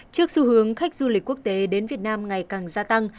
trước xu hướng khách du lịch quốc tế đến việt nam ngày càng gia tăng